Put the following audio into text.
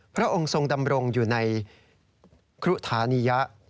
พระองค์ทรงดำรงอยู่ในครุธานียะ